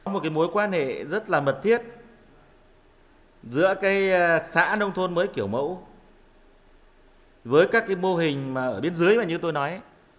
một mối quan hệ rất là mật thiết giữa xã nông thôn mới kiểu mẫu với các mô hình ở bên dưới như tôi nói